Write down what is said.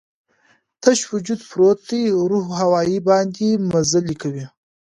تش وجود پروت دی، روح هوا باندې مزلې کوي